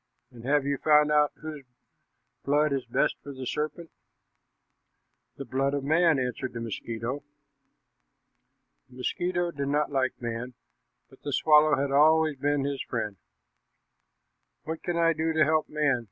And have you found out whose blood is best for the serpent?" "The blood of man," answered the mosquito. The mosquito did not like man, but the swallow had always been his friend. "What can I do to help man?"